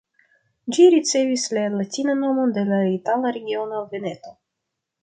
Ĝi ricevis la latinan nomon de la itala regiono Veneto.